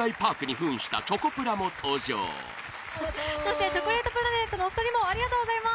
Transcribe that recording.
並木：チョコレートプラネットのお二人もありがとうございます。